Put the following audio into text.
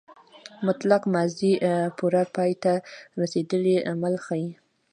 مطلق ماضي پوره پای ته رسېدلی عمل ښيي.